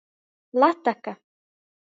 Lataka.